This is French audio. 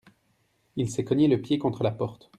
Il s'est cogné le pied contre la porte.